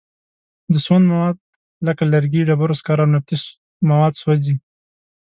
د سون مواد لکه لرګي، ډبرو سکاره او نفتي مواد سوځي.